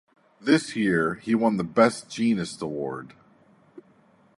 This year, he won the 'Best Jeanist' award.